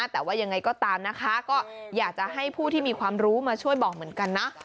แต่ว่ายังไงก็ตามนะคะก็อยากจะให้ผู้ที่มีความรู้มาช่วยบอกเหมือนกันนะ